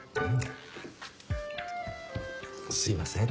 すいません